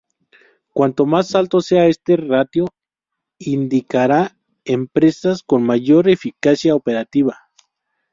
Cuanto más alto sea este ratio indicara empresas con mayor eficacia operativa.